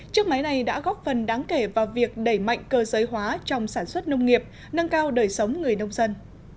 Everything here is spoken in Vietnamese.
chiếc máy này đã góp phần đáng kể vào việc đẩy mạnh cơ giới hóa trong sản xuất nông nghiệp nâng cao đời sống người nông dân